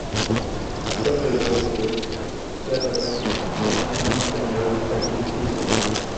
Fueron televisados los juegos Cerro-Racing, Juventud-Nacional y Peñarol-El Tanque Sisley.